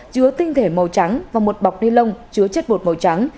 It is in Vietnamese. chứa tinh thể màu trắng và một bọc ni lông chứa chất bột màu trắng